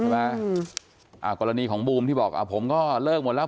อ่ากรณีของบูมที่บอกอ่าผมก็เลิกหมดแล้ว